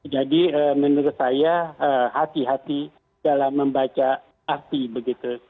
jadi menurut saya hati hati dalam membaca arti begitu